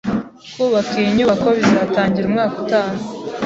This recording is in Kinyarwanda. Kubaka iyi nyubako bizatangira umwaka utaha.